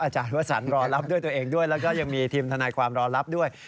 อาจารย์วัฒนศ์รอรับด้วยตัวเองด้วยแล้วก็ยังมีทีมธนาความรอรับด้วย